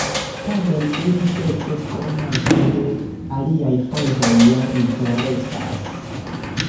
Tamen ili, ĉefe pro manko de aliaj fontoj, ja interesas.